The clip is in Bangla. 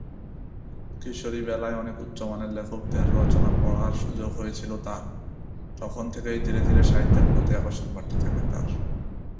কিশোরীবেলায় অনেক উচ্চমানের লেখকদের রচনা পড়ার সুযোগ হয়েছিল তাঁর; তখন থেকেই ধীরে ধীরে সাহিত্যের প্রতি আকর্ষণ বাড়তে থাকে তাঁর।